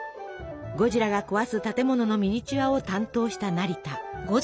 ゴジラが壊す建物のミニチュアを担当した成田。